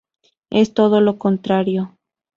Es todo lo contrario".